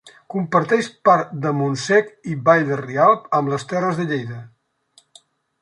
Comparteix part de Montsec i Vall de Rialb amb les Terres de Lleida.